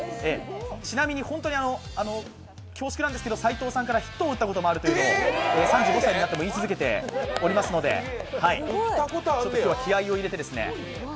ちなみに本当に恐縮なんですけど、斎藤さんからヒットを打ったことがあることを、３５歳になっても言い続けていますので、ちょっと今日は気合いを入れて。